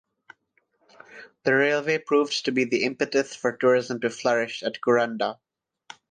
The railway proved to be the impetus for tourism to flourish at Kuranda.